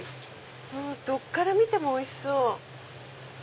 もうどっから見てもおいしそう。